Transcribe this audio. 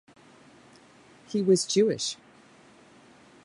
He was Jewish.